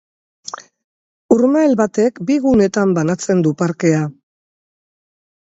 Urmael batek bi gunetan banatzen du parkea.